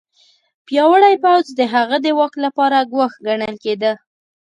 پیاوړی پوځ د هغه د واک لپاره ګواښ ګڼل کېده.